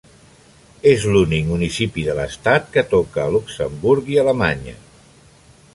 És l'únic municipi de l'estat que toca al Luxemburg i a l'Alemanya.